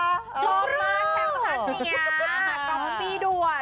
ชอบมากแซวสัตว์นี้อย่างงี้ตอนพร้อมพี่ด่วน